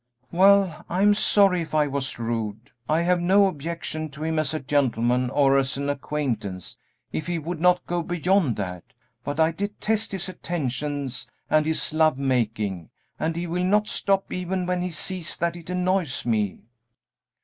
"Well, I'm sorry if I was rude. I have no objection to him as a gentleman or as an acquaintance, if he would not go beyond that; but I detest his attentions and his love making, and he will not stop even when he sees that it annoys me."